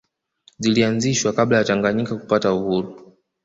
Zilianzishwa kabla ya Tanganyika kupata uhuru